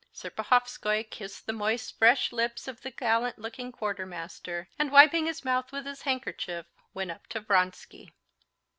Serpuhovskoy kissed the moist, fresh lips of the gallant looking quartermaster, and wiping his mouth with his handkerchief, went up to Vronsky.